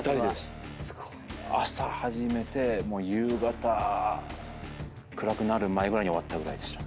朝始めて夕方暗くなる前ぐらいに終わったぐらいでした。